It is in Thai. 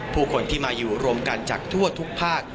ผู้คนที่มาอยู่รวมกันจากทั่วทุกภาค